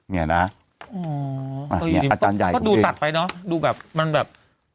เนี่ยนะอาจารย์ใหญ่ก็ดูตัดไปเนอะดูแบบมันแบบ